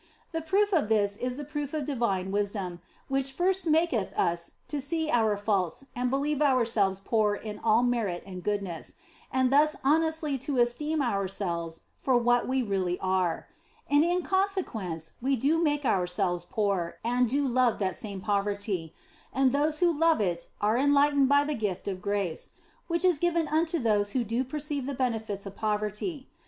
The proof of this is the proof of divine wisdom, which first maketh us to see our faults and believe ourselves poor in all merit and goodness, and thus honestly to esteem ourselves for what we really are. And in consequence we do make ourselves poor and do love that same poverty, and those who love it are enlightened by the gift of grace (which is given unto those who do perceive the benefits of poverty).